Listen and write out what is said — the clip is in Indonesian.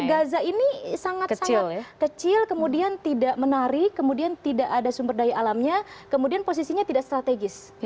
gaza ini sangat sangat kecil kemudian tidak menarik kemudian tidak ada sumber daya alamnya kemudian posisinya tidak strategis